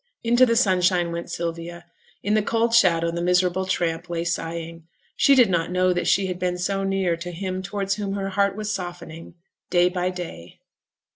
Into the sunshine went Sylvia. In the cold shadow the miserable tramp lay sighing. She did not know that she had been so near to him towards whom her heart was softening, day by day.